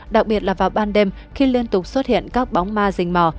đặc biệt là vào ban đêm khi liên tục xuất hiện các bóng ma rình mò